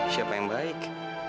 siapa yang baik